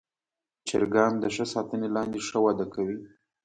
چرګان د ښه ساتنې لاندې ښه وده کوي.